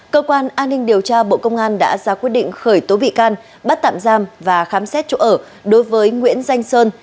cơ quan an ninh điều tra bộ công an đã ra quyết định khởi tố bị can bắt tạm giam và khám xét chỗ ở đối với nguyễn danh sơn